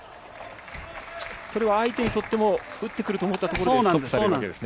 それは相手にとっても、打ってくると思ったところでストップされるわけですね。